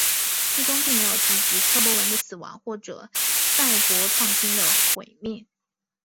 剧中并没有提及柯博文的死亡或是赛博创星的毁灭。